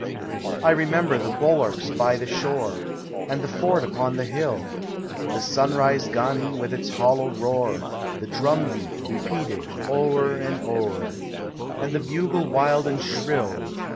'' I remember the bulwarks by the shore. And the fort upon the hill; The sunrise gun, with its hollow roar. The drum beat related o'er and o'er, And the bugle wild and shrill.